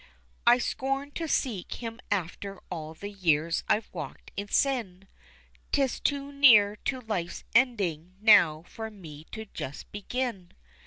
I scorn to seek Him after all the years I've walked in sin 'Tis too near to life's ending now for me to just begin.